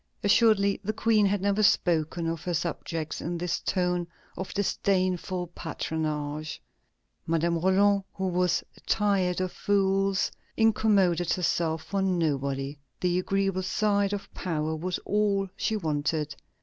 Assuredly, the Queen had never spoken of her subjects in this tone of disdainful patronage. [Illustration: MADAME ROLAND] Madame Roland, who "was tired of fools," incommoded herself for nobody. The agreeable side of power was all she wanted.